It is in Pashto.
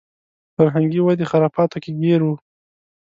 فرهنګي ودې خرافاتو کې ګیر و.